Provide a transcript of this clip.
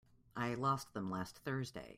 I lost them last Thursday.